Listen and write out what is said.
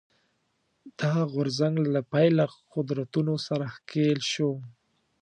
دا غورځنګ له پیله قدرتونو سره ښکېل شو